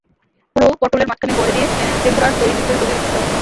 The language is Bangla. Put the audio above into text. পুর পটোলের মাঝখানে ভরে দিয়ে টেম্পুরার তৈরি মিশ্রণে ডুবিয়ে ভেজে নিতে হবে।